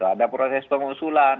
ada proses pengusulan